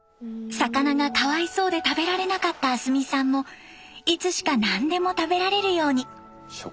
魚がかわいそうで食べられなかった明日美さんもいつしか何でも食べられるように。